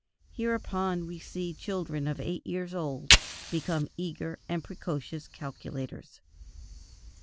Hereupon we see children of eight years old become eager and precocious calculators.